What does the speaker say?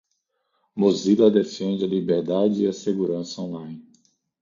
Mozilla defende a liberdade e a segurança online.